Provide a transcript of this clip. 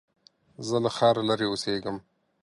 زه له ښاره لرې اوسېږم.